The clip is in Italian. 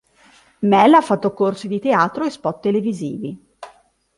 Mel ha fatto corsi di teatro e spot televisivi.